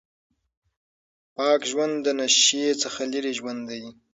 پاک ژوند د نشې څخه لرې ژوند دی.